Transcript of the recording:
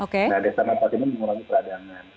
nah dexamethasone ini mengurangi peradangan